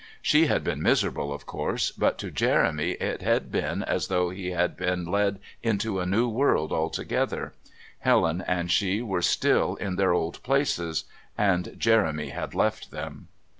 She had been miserable, of course, but to Jeremy it had been as though he had been led into a new world altogether; Helen and she were still in their old places, and Jeremy had left them.